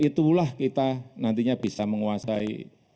itulah kita nantinya bisa menguasai